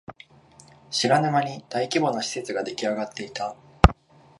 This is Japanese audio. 知らぬ間に大規模な施設ができあがっていた